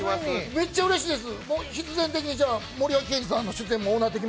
めっちゃうれしいです。